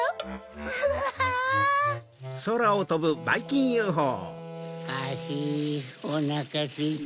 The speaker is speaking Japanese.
うわ！ハヒおなかすいた。